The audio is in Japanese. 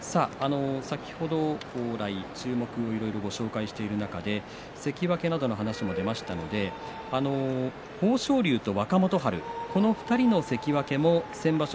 先ほど来いろいろ注目しご紹介してる中で関脇などの話も出ましたので豊昇龍と若元春この２人の関脇も先場所